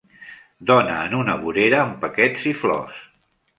Dona en una vorera amb paquets i flors.